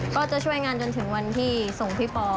ก็จะช่วยงานจนถึงวันที่ส่งพี่ปอ